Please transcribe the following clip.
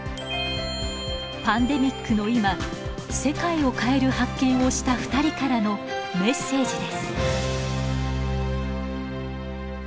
パンデミックの今世界を変える発見をした２人からのメッセージです。